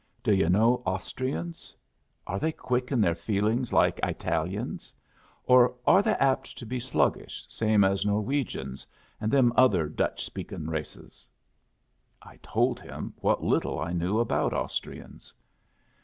Do yu' know Austrians? Are they quick in their feelings, like I talians? Or are they apt to be sluggish, same as Norwegians and them other Dutch speakin' races?" I told him what little I knew about Austrians.